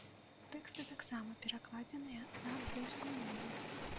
Тэксты таксама перакладзеныя на англійскую мову.